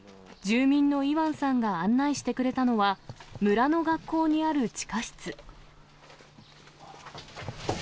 住民のイワンさんが案内してくれたのは、村の学校にある地下室。